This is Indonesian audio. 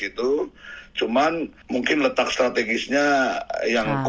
lima titik tapi kami merasa keberatan ini ya pak